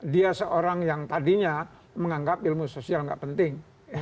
dia seorang yang tadinya menganggap ilmu sosial nggak penting